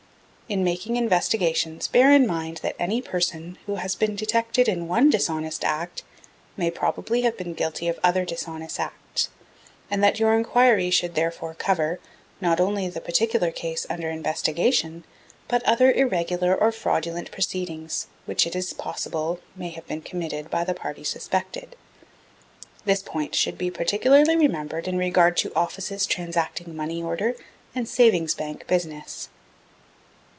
In making investigations bear in mind that any person who haw been detected in one dishonest act may probably have been guilty of other dishonest acts, and that your enquiry should therefore cover, not only the particular case under investigation, but other irregular or fraudulent proceedings, which it is possible may have been committed by the party suspected. This point should be particularly remembered in regard to offices transacting Money Order and Savings Bank business.